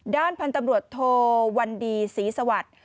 ด้านพันธุ์ตำรวจโทวันดีศรีสวัสดิ์